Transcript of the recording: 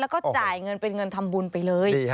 แล้วก็จ่ายเงินเป็นเงินทำบุญไปเลย